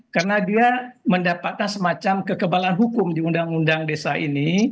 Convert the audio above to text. karena dia mendapatkan semacam kekebalan hukum di undang undang desa ini